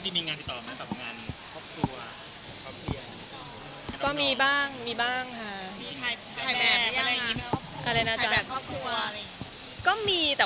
ติดมีงานติดต่อหรือไม่ต่อหรือไม่ต่อหรือ